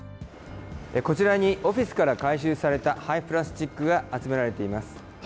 こちらにオフィスから回収された廃プラスチックが集められています。